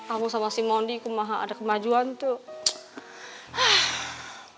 aku sama si mondi aku ada kemajuan tuh